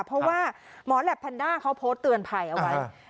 เพราะว่าหมอแหลปแพนด้าเขาโพสต์เตือนภัยเอาไว้